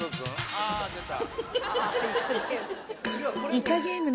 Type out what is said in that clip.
あぁ出た。